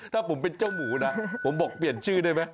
ถ้าผมเป็นเจ้าหมูนะผมบอกเปลี่ยนชื่อได้ไหม